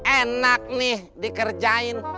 enak nih dikerjain